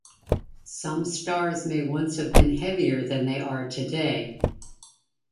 Some stars may once have been heavier than they are today.